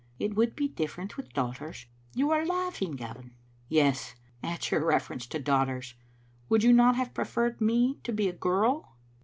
It would be diflEerent with daughters. You are laugh ing, Gavin!" *'Yes, at your reference to daughters. Would you not have preferred me to be a girl?"